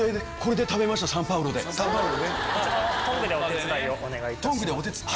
こちらのトングでお手伝いをお願いします。